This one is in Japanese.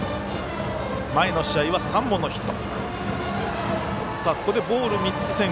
前の試合は３本のヒット。